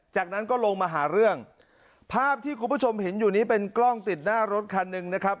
จากนั้นก็ลงมาหาเรื่องภาพที่คุณผู้ชมเห็นอยู่นี้เป็นกล้องติดหน้ารถคันหนึ่งนะครับ